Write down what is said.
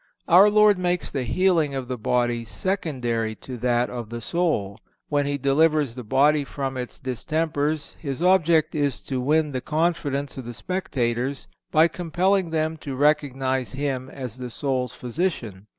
Our Lord makes the healing of the body secondary to that of the soul. When He delivers the body from its distempers His object is to win the confidence of the spectators by compelling them to recognize Him as the soul's Physician.